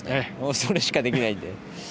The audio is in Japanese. それしかできないんで。